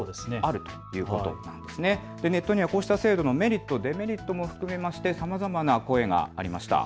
ネットにはこうした制度のメリット、デメリットも含めましてさまざまな声がありました。